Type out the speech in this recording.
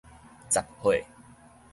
雜貨